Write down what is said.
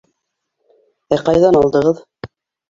Ә ҡайҙан алдығыҙ?